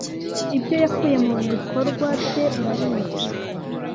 ibyo yakuye mubikorwa bye urabizi.